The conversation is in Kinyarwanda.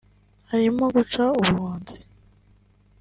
harimo guca ubuhunzi